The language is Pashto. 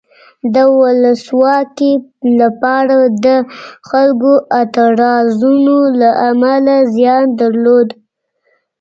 د ولسواکۍ لپاره د خلکو اعتراضونو له امله زیان درلود.